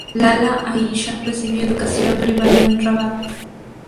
Lalla Aisha recibió educación privada en Rabat.